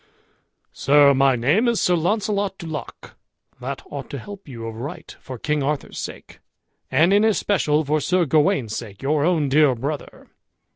"Sir, my name is Sir Launcelot du Lac, that ought to help you of right for King Arthur's sake, and in especial for Sir Gawain's sake, your own dear brother.